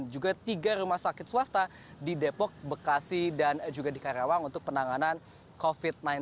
juga tiga rumah sakit swasta di depok bekasi dan juga di karawang untuk penanganan covid sembilan belas